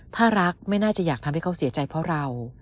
ถ้ารักไม่น่าจะอยากทำให้เขาเสียใจเพราะเรา